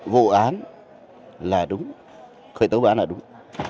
vụ án là đúng khởi tố vụ án là đúng